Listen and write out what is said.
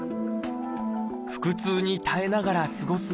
腹痛に耐えながら過ごす毎日。